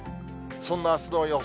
そんなあすの予想